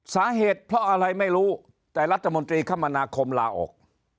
สาเหตุเพราะอะไรไม่รู้แต่รัฐมนตรีคมนาคมลาออก